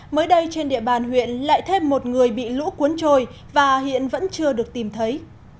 mới đây trên địa bàn huyện lại thêm một người bị lũ cuốn trôi và hiện vẫn chưa được tìm thấy